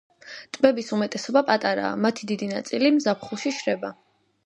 ტბების უმეტესობა პატარაა, მათი დიდი ნაწილი ზაფხულში შრება.